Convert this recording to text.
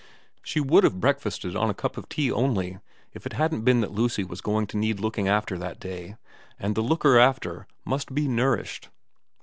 She would have breakfasted on a cup of tea only, if it hadn't been that Lucy was going to need looking after that day, and the looker after must be nourished.